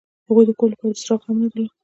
هغوی د کور لپاره څراغ هم نه درلود